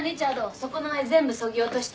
そこの絵全部そぎ落として。